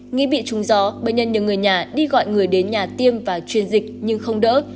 nghĩ bị trúng gió bệnh nhân nhờ người nhà đi gọi người đến nhà tiêm và chuyên dịch nhưng không đỡ